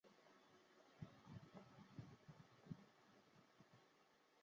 米林乌头为毛茛科乌头属下的一个种。